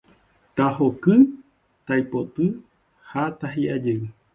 Tahoky, taipoty ha tahi'ajey